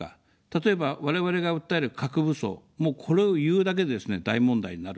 例えば我々が訴える核武装、もうこれを言うだけでですね、大問題になる。